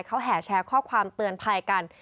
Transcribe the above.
เขาแห่แชร์ข้อความเตือนภัยกัน